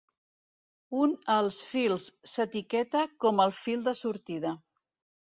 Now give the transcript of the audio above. Un els fils s'etiqueta com el fil de sortida.